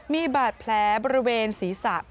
มีบาดแผลบริเวณศีรษะ